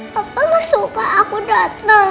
papa nggak suka aku datang